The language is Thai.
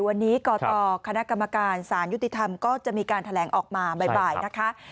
วันนี้กอดออกก็จะมีการแถลงออกมาบ่ายนะครับ